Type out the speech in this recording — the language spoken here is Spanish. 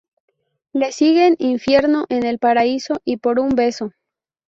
Le siguen Infierno en el paraíso y Por un beso.